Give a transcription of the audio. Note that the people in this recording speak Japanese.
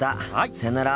さよなら。